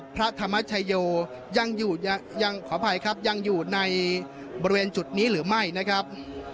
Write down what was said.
พระธรรมชโยยังอยู่ยังขออภัยครับยังอยู่ในบริเวณจุดนี้หรือไม่นะครับ